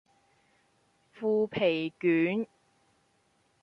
腐皮卷